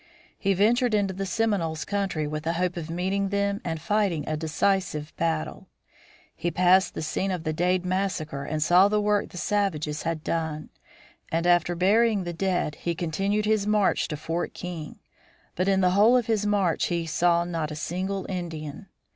He ventured into the Seminoles' country with the hope of meeting them and fighting a decisive battle. He passed the scene of the Dade massacre and saw the work the savages had done, and after burying the dead he continued his march to Fort King. But in the whole of his march he saw not a single Indian.